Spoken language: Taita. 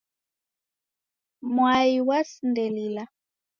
Mwai wasindelila